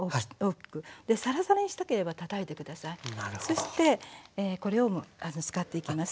そしてこれを使っていきます。